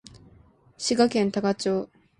滋賀県多賀町